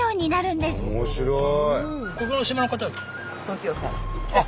面白い！